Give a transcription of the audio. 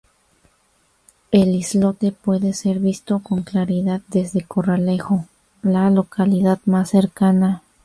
El islote puede ser visto con claridad desde Corralejo, la localidad más cercana.